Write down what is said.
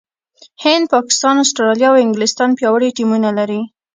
هند، پاکستان، استراليا او انګلستان پياوړي ټيمونه لري.